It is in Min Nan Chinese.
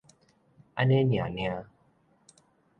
按呢爾爾